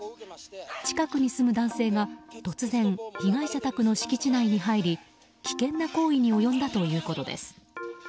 近くに住む男性が、突然被害者宅の敷地内に入り危険な行為に及んだということです。